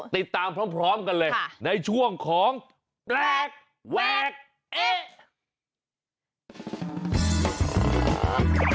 ติดตามพร้อมกันเลยในช่วงของแปลกแวกเอ๊ะ